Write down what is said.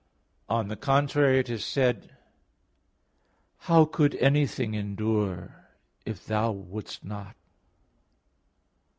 On the contrary, It is said (Wis. 11:26), "How could anything endure, if Thou wouldst not?"